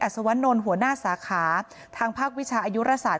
อัศวรรณนท์หัวหน้าสาขาทางภาควิชาอายุรสาท